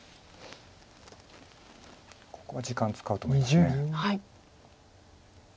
ここは時間使うと思います。